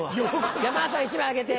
山田さん１枚あげて。